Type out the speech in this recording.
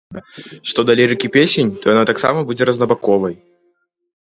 Што да лірыкі песень, то яна таксама будзе рознабаковай.